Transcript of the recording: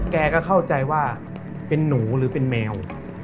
แกก็เข้าใจว่าเป็นหนูหรือเป็นแมว